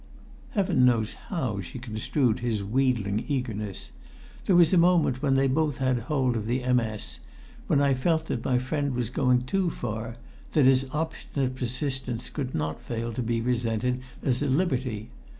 Heaven knows how she construed his wheedling eagerness! There was a moment when they both had hold of the MS., when I felt that my friend was going too far, that his obstinate persistence could not fail to be resented as a liberty.